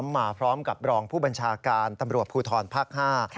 มาพร้อมกับรองผู้บัญชาการตำรวจภูทรภาคห้า